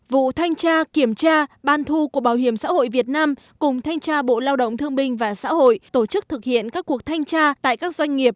vụ thanh tra kiểm tra ban thu của bảo hiểm xã hội việt nam cùng thanh tra bộ lao động thương binh và xã hội tổ chức thực hiện các cuộc thanh tra tại các doanh nghiệp